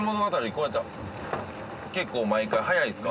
こうやって結構毎回早いんですか？